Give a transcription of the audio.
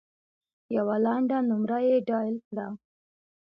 یوه لنډه نمره یې ډایل کړه .